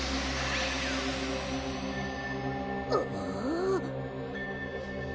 ああ。